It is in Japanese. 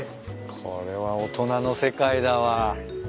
これは大人の世界だわ。